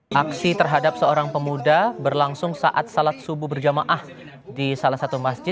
hai aksi terhadap seorang pemuda berlangsung saat salat subuh berjamaah di salah satu masjid